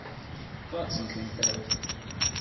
Clarkson came third.